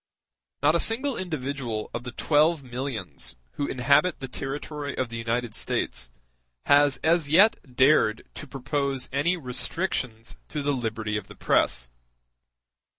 Not a single individual of the twelve millions who inhabit the territory of the United States has as yet dared to propose any restrictions to the liberty of the press.